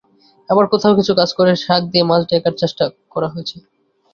আবার কোথাও কিছু কাজ করে শাক দিয়ে মাছ ঢাকার চেষ্টা করা হয়েছে।